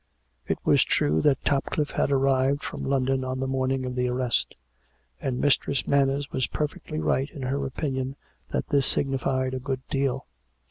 It was true that Topcliffe had arrived from London on the morning of the arrest; and Mistress Manners was perfectly right in her opinion that this signi fied a good deal.